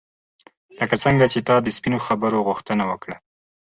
لکه څنګه چې تا د سپینو خبرو غوښتنه وکړه.